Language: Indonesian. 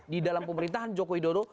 di dalam pemerintahan joko widodo